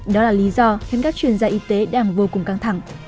đó là lý do khiến các chuyên gia y tế đang vô cùng căng thẳng